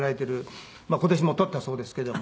今年も取ったそうですけども。